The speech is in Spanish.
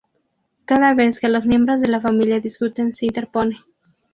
Cada vez que los miembros de la familia discuten, se interpone.